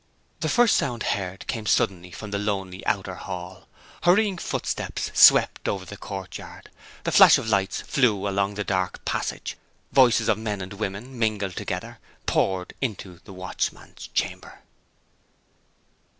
The first sound heard came suddenly from the lonely outer hall. Hurrying footsteps swept over the courtyard. The flash of lights flew along the dark passage. Voices of men and women, mingled together, poured into the Watchman's Chamber.